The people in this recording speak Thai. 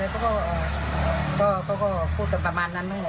ก็ก็ก็ก็โปรดกันประมานนั้นบ้างเนี่ย